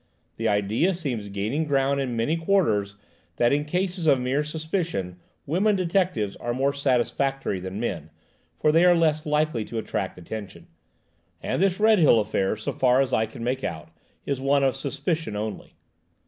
"The idea seems gaining ground in manly quarters that in cases of mere suspicion, women detectives are more satisfactory than men, for they are less likely to attract attention. And this Redhill affair, so far as I can make out, is one of suspicion only."